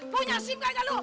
punya sim enggak enggak lo